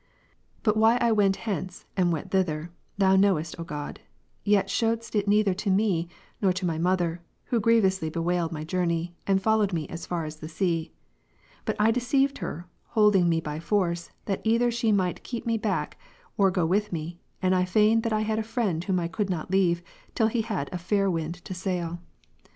15. But why I went hence, and went thither. Thou knew est, O God, yet shewedst it neither to me, nor to my mother, who grievously bewailed my journey, and followed me as far as the sea. But I deceived her, holding me by force, that either she might keep me back, or go with me, and I feigned that I had a friend whom I could not leave, till he had a fair wind to sail.